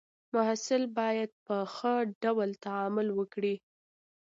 محصل باید په ښه ډول تعامل وکړي.